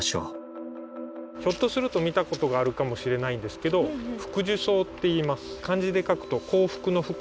ひょっとすると見たことがあるかもしれないんですけどフクジュソウっていいます。